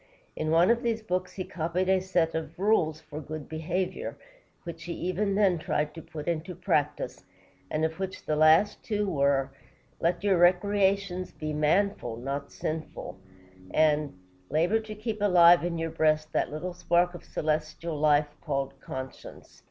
In one of these books he copied a set of rules for good behavior, which he even then tried to put into practice, and of which the last two were: "Let your recreations be manful, not sinful," and "Labor to keep alive in your breast that little spark of celestial fire called conscience."